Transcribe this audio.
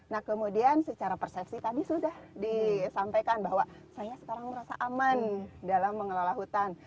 nah kemudian secara persepsi tadi sudah disampaikan bahwa saya sekarang merasa aman dalam mengelola hutan